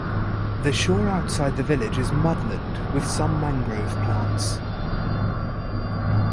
The shore outside the village is mudland with some mangrove plants.